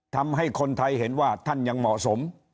ทำให้คนไทยเห็นว่าท่านยังเหมาะสม